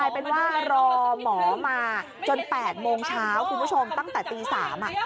เป็นว่ารอหมอมาจน๘โมงเช้าคุณผู้ชมตั้งแต่ตี๓อ่ะ